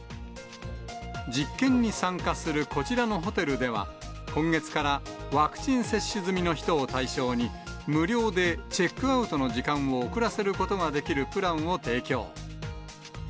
実験に参加するこちらのホテルでは、今月からワクチン接種済みの人を対象に、無料でチェックアウトの時間を遅らせることができるプランを提供。